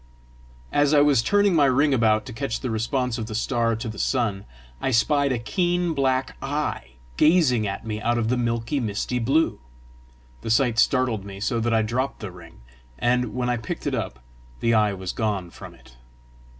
As I was turning my ring about to catch the response of the star to the sun, I spied a keen black eye gazing at me out of the milky misty blue. The sight startled me so that I dropped the ring, and when I picked it up the eye was gone from it.